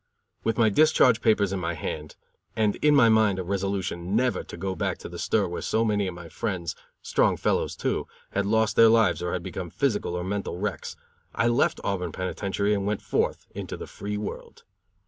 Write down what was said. With my discharge papers in my hand, and in my mind a resolution never to go back to the stir where so many of my friends, strong fellows, too, had lost their lives or had become physical or mental wrecks, I left Auburn penitentiary and went forth into the free world.